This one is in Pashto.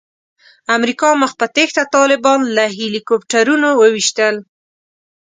امریکا مخ په تېښته طالبان له هیلي کوپټرونو وویشتل.